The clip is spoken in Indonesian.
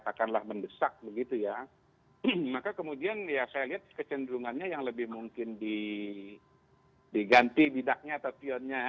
katakanlah mendesak begitu ya maka kemudian ya saya lihat kecenderungannya yang lebih mungkin di diganti bidaknya atau pionnya